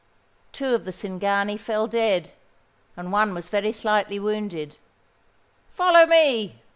Two of the Cingani fell dead, and one was very slightly wounded. "Follow me!"